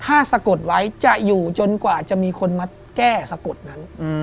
ถ้าสะกดไว้จะอยู่จนกว่าจะมีคนมาแก้สะกดนั้น